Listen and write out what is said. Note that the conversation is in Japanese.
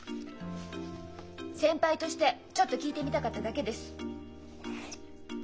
先輩としてちょっと聞いてみたかっただけです。